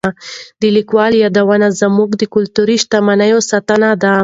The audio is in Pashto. د لیکوالو یادونه زموږ د کلتوري شتمنۍ ساتنه ده.